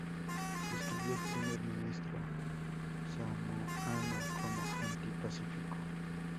Describió al Primer Ministro samoano como "anti-Pacífico".